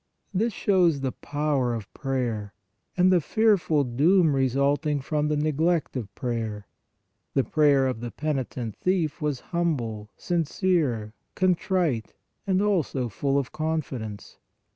This shows the power of prayer, no PRAYER and the fearful doom resulting from the neglect of prayer. The prayer of the penitent thief was hum ble, sincere, contrite and also full of confidence.